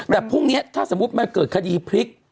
แต่พรุ่งนี้ถ้าสมมุติมันเกิดคดีพลิก